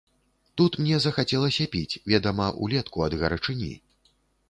Тут мне захацелася піць, ведама, улетку ад гарачыні.